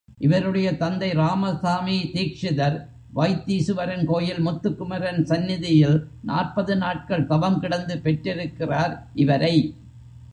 இவருடைய தந்தை ராமசாமி தீக்ஷிதர் வைத்தீசுவரன் கோயில் முத்துக்குமரன் சந்நிதியில் நாற்பது நாட்கள் தவங்கிடந்து பெற்றிருக்கிறார் இவரை.